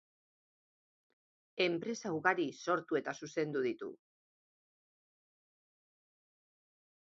Enpresa ugari sortu eta zuzendu ditu.